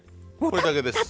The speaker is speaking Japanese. これだけです。